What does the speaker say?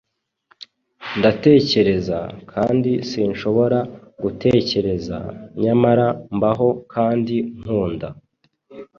Ndatekereza, kandi sinshobora gutekereza; nyamara mbaho kandi nkunda.